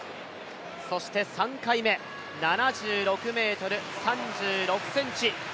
そして３回目、７６ｍ３６ｃｍ。